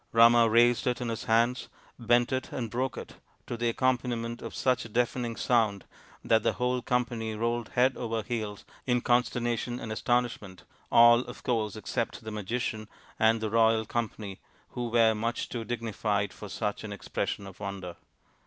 Rama raised it in his hands, bent it and broke it, to the accompaniment of such a deafening sound that the whole company rolled head over heels in consternation and astonishment, all of course except the magician and the royal com pany, who were much too dignified for such an expression of wonder.